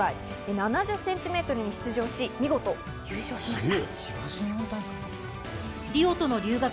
７０ｃｍに出場し、見事優勝しました。